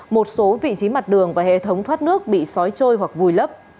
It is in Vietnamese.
một số vị trí mặt đường và hệ thống thoát nước bị xói trôi hoặc vùi lấp